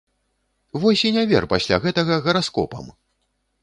Вось і не вер пасля гэтага гараскопам!